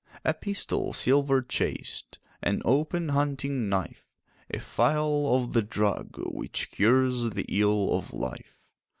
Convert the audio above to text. A pistol, silver chased, An open hunting knife, A phial of the drug Which cures the ill of life.